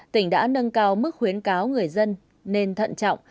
tỉnh đã nâng cao mức khuyến cáo người dân nên thận trọng